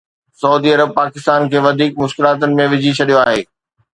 سعودي عرب پاڪستان کي وڌيڪ مشڪلاتن ۾ وجهي ڇڏيو آهي